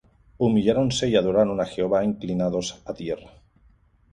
humilláronse, y adoraron á Jehová inclinados á tierra.